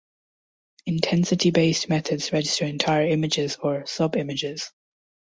Intensity-based methods register entire images or sub-images.